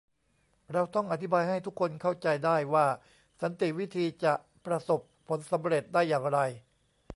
เราต้องอธิบายให้ทุกคนเข้าใจได้ว่าสันติวิธีจะประสบผลสำเร็จได้อย่างไร